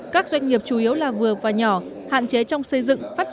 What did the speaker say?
các doanh nghiệp chủ yếu là vừa